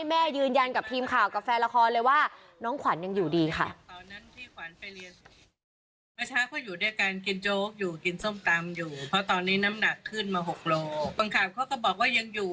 แม่ยืนยันกับทีมข่าวกับแฟนละครเลยว่าน้องขวัญยังอยู่ดีค่ะ